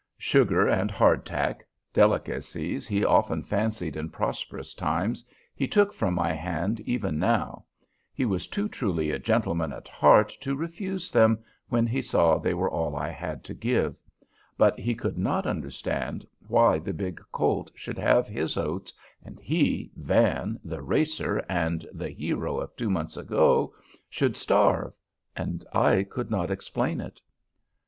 Sugar and hard tack, delicacies he often fancied in prosperous times, he took from my hand even now; he was too truly a gentleman at heart to refuse them when he saw they were all I had to give; but he could not understand why the big colt should have his oats and he, Van, the racer and the hero of two months ago, should starve, and I could not explain it.